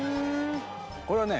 これはね